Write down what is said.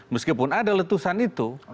meskipun ada letusan itu